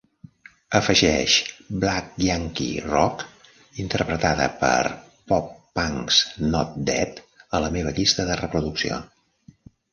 afegeix Black Yankee Rock interpretada per Pop Punk's Not Dead a la meva llista de reproducció